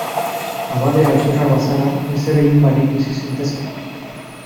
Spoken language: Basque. Abade alferra bazara, ezer egin barik bizi zintezke.